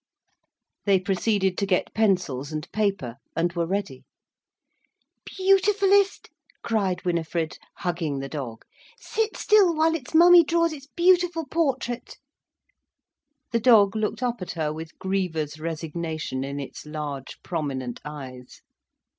They proceeded to get pencils and paper, and were ready. "Beautifullest," cried Winifred, hugging the dog, "sit still while its mummy draws its beautiful portrait." The dog looked up at her with grievous resignation in its large, prominent eyes.